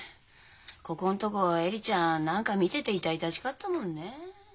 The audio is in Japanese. ここんとこ恵里ちゃん何か見てて痛々しかったもんね。